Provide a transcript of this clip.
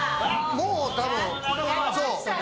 もうたぶん、そう。